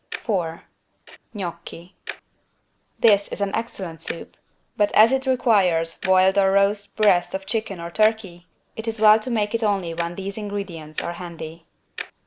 4 GNOCCHI This is an excellent soup, but as it requires boiled or roast breast of chicken or turkey it is well to make it only when these ingredients are handy.